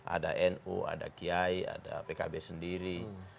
ada nu ada kiai ada pkb sendiri